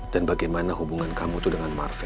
dan bagaimana hubungan kamu itu dengan marvel